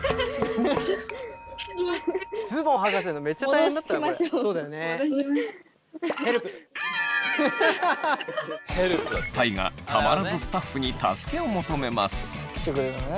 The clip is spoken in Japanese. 大我たまらずスタッフに助けを求めます。